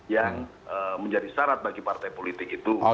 yang menjadi syarat bagi partai politik itu